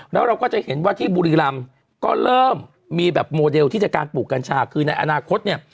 แล้วเราก็จะเห็นว่าที่บุรีรำก็เริ่มมีแบบโมเดลที่จากการปลูกกัญชาคือในอนาคตเนี่ย